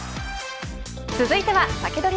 続いてはサキドリ！